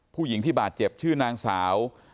ผู้หญิงที่บาดเจ็บชื่อนางสาว